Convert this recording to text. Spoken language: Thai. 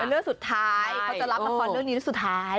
เรื่องสุดท้ายเขาจะรับละครเรื่องนี้เรื่องสุดท้าย